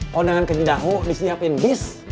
keundangan keci dahu disiapin bis